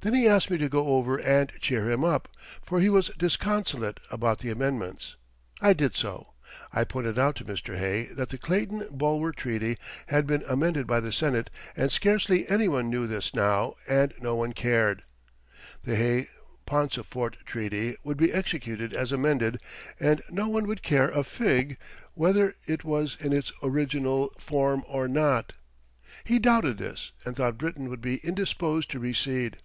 Then he asked me to go over and cheer him up, for he was disconsolate about the amendments. I did so. I pointed out to Mr. Hay that the Clayton Bulwer Treaty had been amended by the Senate and scarcely any one knew this now and no one cared. The Hay Pauncefote Treaty would be executed as amended and no one would care a fig whether it was in its original form or not. He doubted this and thought Britain would be indisposed to recede.